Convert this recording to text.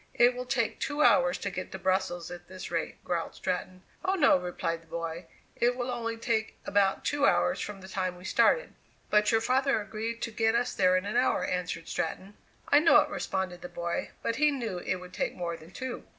"It will take two hours to get to Brussels at this rate," growled Stratton. "Oh, no," replied the boy, "it will only take about two hours from the time we started." "But your father agreed to get us there in an hour," answered Stratton. "I know it," responded the boy, "but he knew it would take more than two."